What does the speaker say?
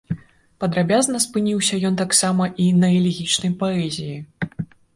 Падрабязна спыніўся ён таксама і на элегічнай паэзіі.